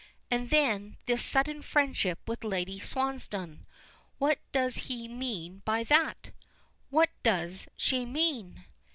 And then this sudden friendship with Lady Swansdown what does he mean by that? What does she mean?